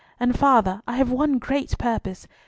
And, father, I have one great purpose.